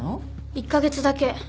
１カ月だけ。